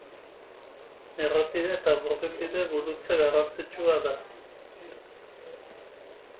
Errepide eta burdinbide gurutze garrantzitsua da.